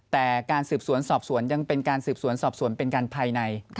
แต่การสืบสวนสอบสวนยังเป็นการสืบสวนสอบสวนเป็นการภายใน